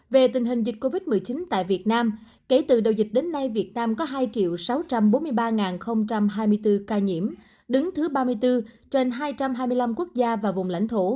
về tình hình dịch covid một mươi chín tại việt nam kể từ đầu dịch đến nay việt nam có hai sáu trăm bốn mươi ba hai mươi bốn ca nhiễm đứng thứ ba mươi bốn trên hai trăm hai mươi năm quốc gia và vùng lãnh thổ